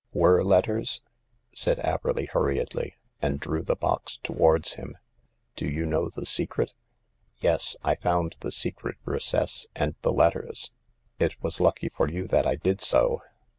" Were letters !" said Averley, hurriedly, and drew the box towards him. " Do you know the secret ?" Yes ; I found the secret recess and the let ters. It was lucky for you that I did so.